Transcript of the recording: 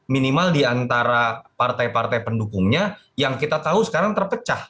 minimal diantara partai partai pendukungnya yang kita tahu sekarang terpecah